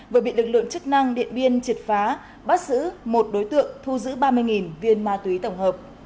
vừa bị lực lượng chức năng điện biên triệt phá bắt giữ một đối tượng thu giữ ba mươi viên ma túy tổng hợp